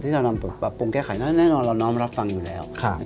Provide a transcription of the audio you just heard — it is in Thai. เรานำปรับปรุงแก้ไขแน่นอนเราน้อมรับฟังอยู่แล้ว